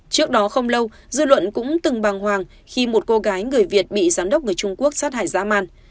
trước đó không lâu dư luận cũng từng bàng hoàng khi một cô gái người việt bị giám đốc người trung quốc sát hại dã man